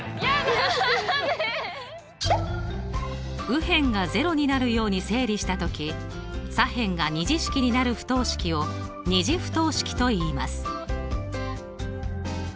右辺が０になるように整理したとき左辺が２次式になる不等式を２次不等式といいます。